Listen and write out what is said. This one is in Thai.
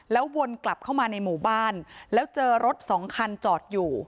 แล้ววนกลับเข้ามาในหมู่บ้านแล้วเจอรถสองคันจอดอยู่